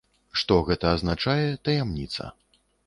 Што гэта азначае, таямніца.